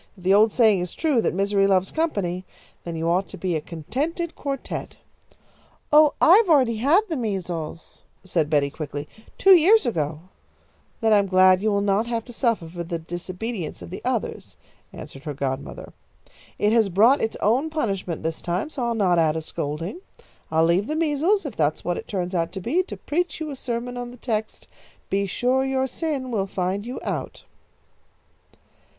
If the old saying is true that misery loves company, then you ought to be a contented quartette." "Oh, I've already had the measles," said Betty, quickly, "two years ago." "Then I'm glad that you will not have to suffer for the disobedience of the others," answered her godmother. "It has brought its own punishment this time, so I'll not add a scolding. I'll leave the measles, if that's what it turns out to be, to preach you a sermon on the text, 'Be sure your sin will find you out.'"